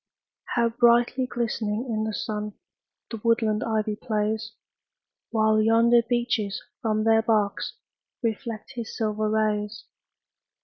How brightly glistening in the sun The woodland ivy plays! While yonder beeches from their barks Reflect his silver rays.